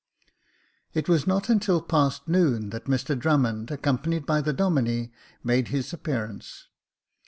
It was not until past noon that Mr Drummond, accompanied by the Domine, made his appear ance.